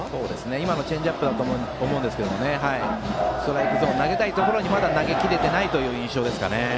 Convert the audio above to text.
今のはチェンジアップだと思いますがストライクゾーンに投げたいところにまだ投げ切れていない印象ですね。